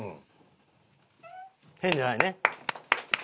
変じゃないね。